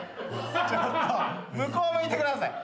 ちょっと向こう向いてください。